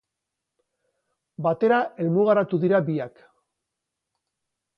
Batera helmugaratu dira biak.